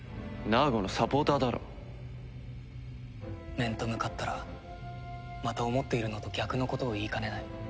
面と向かったらまた思っているのと逆のことを言いかねない。